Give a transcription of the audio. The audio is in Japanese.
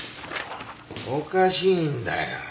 おかしいんだよ。